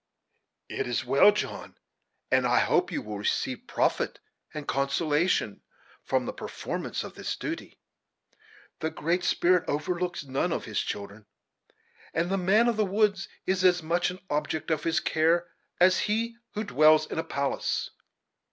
"It is well, John, and I hope you will receive profit and consolation from the performance of this duty. The Great Spirit overlooks none of his children; and the man of the woods is as much an object of his care as he who dwells in a palace.